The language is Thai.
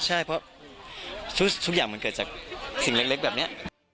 ใช่เพราะทุกอย่างมันเกิดจากสิ่งเล็กแบบนี้